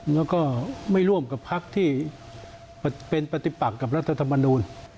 แล้วก็ไม่ร่วมกับพักที่เป็นปฏิปักกับรัฐธรรมนูล